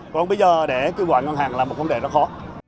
còn bây giờ để cư bỏ ngân hàng là một vấn đề rất khó